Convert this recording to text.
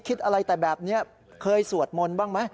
คิดอะไรแต่แบบนี้เคยสวดมนต์บ้างไหม